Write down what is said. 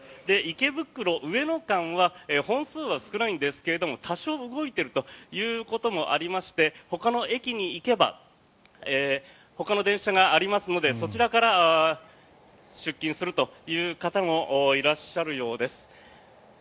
池袋上野間は本数は少ないんですが多少、動いているということもありましてほかの駅に行けばほかの電車がありますのでそちらから出勤するという方もいらっしゃるようです。